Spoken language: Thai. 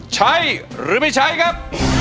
ใช้หรือไม่ใช้ครับ